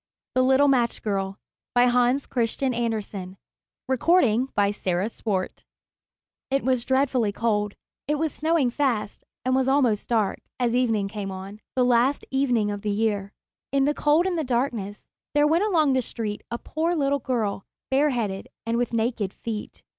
THE LITTLE MATCH GIRL[*] Hans Andersen It was dreadfully cold; it was snowing fast, and was almost dark, as evening came on the last evening of the year. In the cold and the darkness, there went along the street a poor little girl, bareheaded and with naked feet.